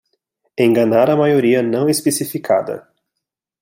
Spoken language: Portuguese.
Enganar a maioria não especificada